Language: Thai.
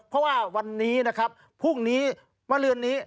เพราะว่าวันนี้พรุ่งนี้วันลืนนี้